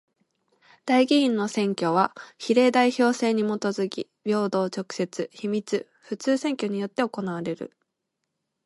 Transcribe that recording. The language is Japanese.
代議員の選挙は比例代表制にもとづき平等、直接、秘密、普通選挙によって行われる。